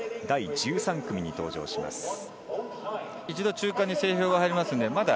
第１３組に登場します。